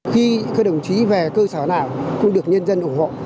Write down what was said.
khi các đồng chí về cơ sở nào cũng được nhân dân ủng hộ